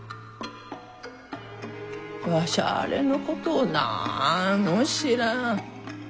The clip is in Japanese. わしゃあれのことをなんも知らん。